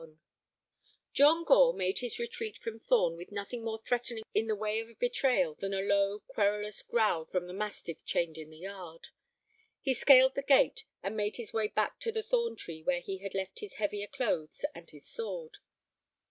XXXI John Gore made his retreat from Thorn with nothing more threatening in the way of a betrayal than a low, querulous growl from the mastiff chained in the yard. He scaled the gate, and made his way back to the thorn tree where he had left his heavier clothes and his sword.